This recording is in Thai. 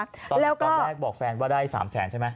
ตอนแรกบอกแฟนว่าได้๓แสนใช่ไหม